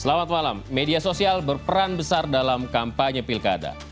selamat malam media sosial berperan besar dalam kampanye pilkada